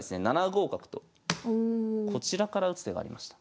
７五角とこちらから打つ手がありました。